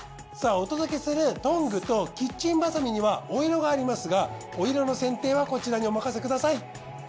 さあお届けするトングとキッチンバサミにはお色がありますがお色の選定はこちらにお任せください。